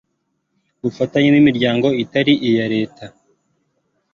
Ubufatanye n imiryango itari iya leta